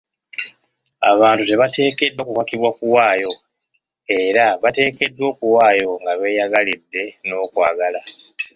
Abantu tebateekeddwa kukakibwa kuwaayo era bateekeddwa okuwaayo nga beeyagalidde n'okwagala.